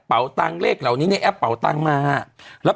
เป็นการกระตุ้นการไหลเวียนของเลือด